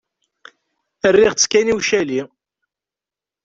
Rriɣ-tt kan i ucali.